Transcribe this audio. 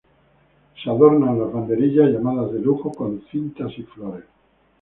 Se adornan las banderillas llamadas de "lujo" con cintas y flores.